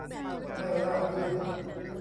ไม่ราบรื่น